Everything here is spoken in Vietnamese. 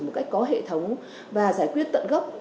một cách có hệ thống và giải quyết tận gốc